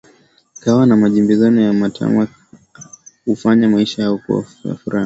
Kahawa na majibizano ya matani hufanya maisha yao kuwa ya furaha